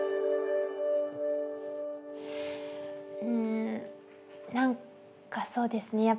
うん何かそうですね。